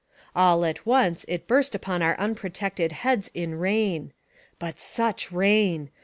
All at once it burst upon our unprotected heads in rain. But such rain